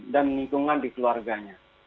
dan lingkungan di keluarganya